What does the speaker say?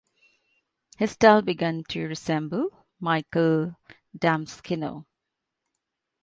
His style began to resemble Michael Damaskinos.